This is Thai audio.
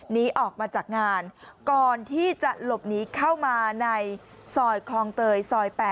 หนีออกมาจากงานก่อนที่จะหลบหนีเข้ามาในซอยคลองเตยซอย๘